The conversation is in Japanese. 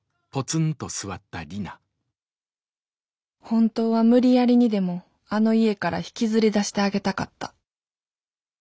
本当は無理やりにでもあの家から引きずり出してあげたかった。